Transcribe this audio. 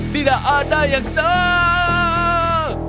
tidak ada yang salah